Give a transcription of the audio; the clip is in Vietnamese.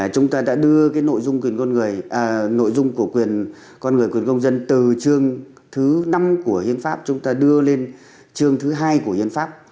chúng ta đã đưa nội dung của quyền con người quyền công dân từ chương thứ năm của hiến pháp chúng ta đưa lên chương thứ hai của hiến pháp